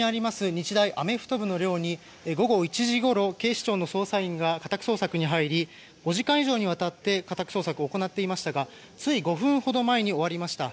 日大アメフト部の寮に午後１時ごろ警視庁の捜査員が家宅捜索に入り５時間以上にわたって家宅捜索を行っていましたがつい５分ほど前に終わりました。